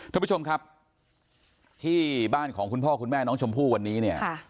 ท่านผู้ชมครับที่บ้านของคุณพ่อคุณแม่น้องชมพู่วันนี้เนี่ย